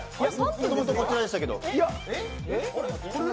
もともとこちらでしたけど。